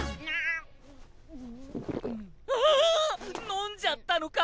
飲んじゃったのか？